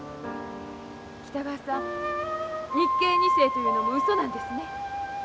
北川さん日系二世というのもうそなんですね？